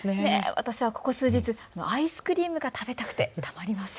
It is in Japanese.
私はここ数日、アイスクリームが食べたくてたまりません。